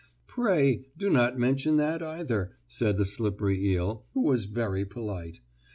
"Pray do not mention that, either," said the slippery eel, who was very polite.